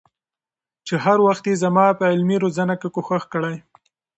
چې هر وخت يې زما په علمي روزنه کي کوښښ کړي